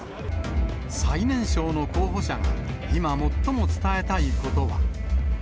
最年少の候補者が、今、最も伝えたいことは。